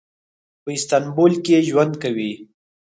په استانبول کې ژوند کوي.